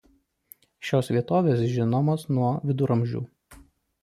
Šios vietovės žinomos nuo viduramžių.